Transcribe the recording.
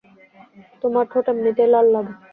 তোমার ঠোঁট এমনিতেই লাল লাগে।